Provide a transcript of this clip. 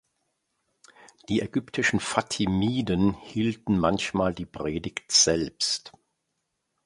Die ägyptischen Fatimiden hielten manchmal die Predigt selbst.